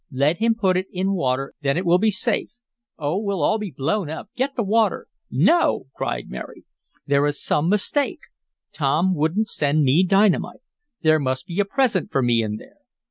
Let him put it in water, then it will be safe. Oh, we'll all be blown up. Get the water!" "No!" cried Mary. "There is some mistake. Tom wouldn't send me dynamite. There must be a present for me in there.